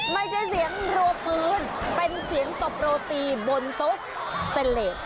ไม่ใช่เสียงโรบพื้นเป็นเสียงตบโรตีบนทุกข์เป็นเหลก